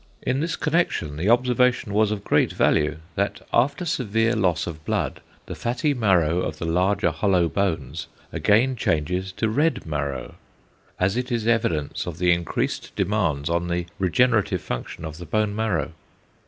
In this connection the observation was of great value, that after severe loss of blood the fatty marrow of the larger hollow bones again changes to red marrow, as it is evidence of the increased demands on the regenerative function of the bone marrow.